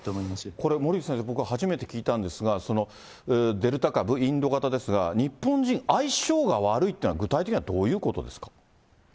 これ、森内先生に僕初めて聞いたんですが、デルタ株、インド型ですが、日本人、相性が悪いというのは、具体的にはどういうことですか。